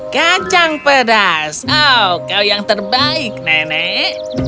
kacang pedas oh kau yang terbaik nenek